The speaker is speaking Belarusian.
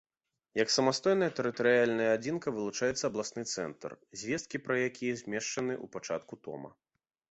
Як самастойная тэрытарыяльная адзінка вылучаецца абласны цэнтр, звесткі пра які змешчаны ў пачатку тома.